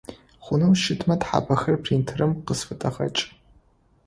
Хъунэу щытмэ тхьапэхэр принтерым къысфыдэгъэкӏ.